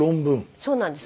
そうなんです。